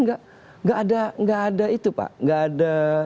enggak ada itu pak enggak ada